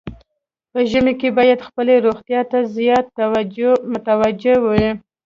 په ژمي کې باید خپلې روغتیا ته زیات متوجه وو.